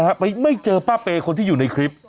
ไปไม่เจอป้าเปย์คนที่อยู่ในคลิป